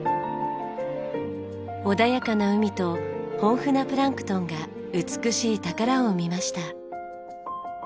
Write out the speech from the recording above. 穏やかな海と豊富なプランクトンが美しい宝を生みました。